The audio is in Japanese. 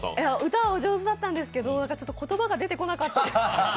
歌お上手だったんですけど言葉が出てこなかったです。